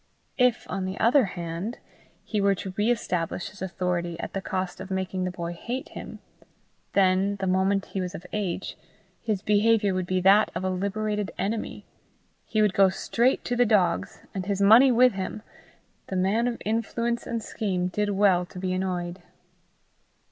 If, on the other hand, he were to re establish his authority at the cost of making the boy hate him, then, the moment he was of age, his behaviour would be that of a liberated enemy: he would go straight to the dogs, and his money with him! The man of influence and scheme did well to be annoyed.